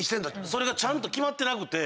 それがちゃんと決まってなくて。